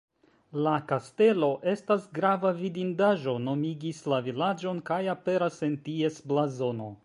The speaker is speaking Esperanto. La kastelo estas grava vidindaĵo, nomigis la vilaĝon kaj aperas en ties blazono.